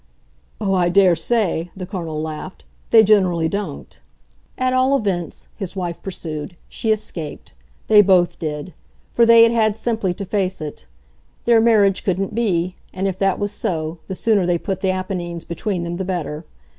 "Oh, I daresay," the Colonel laughed. "They generally don't!" "At all events," his wife pursued, "she escaped they both did; for they had had simply to face it. Their marriage couldn't be, and, if that was so, the sooner they put the Apennines between them the better.